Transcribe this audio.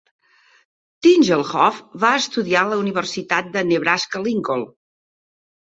Tingelhoff va estudiar a la Universitat de Nebraska-Lincoln.